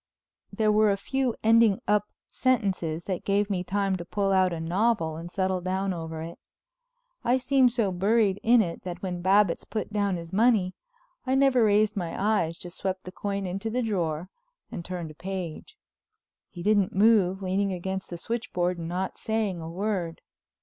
There were a few ending up sentences that gave me time to pull out a novel and settle down over it. I seemed so buried in it that when Babbitts put down his money I never raised my eyes, just swept the coin into the drawer and turned a page. He didn't move, leaning against the switchboard and not saying a word.